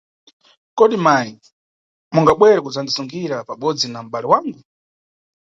Kodi mayi, mungabwere kudzandizungira pabodzi na mʼbale wangu?